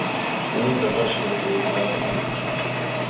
Naye nga lwaki oyogera ebigambo bwebityo.